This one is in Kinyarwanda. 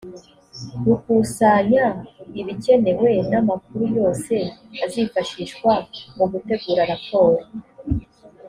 gukusanya ibikenewe n amakuru yose azifashishwa mu gutegura raporo